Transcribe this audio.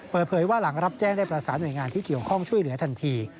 เปิดเผยว่าหลังรับแจ้งได้ประสานหน่วยงานที่เกี่ยวข้องช่วยเหลือทันที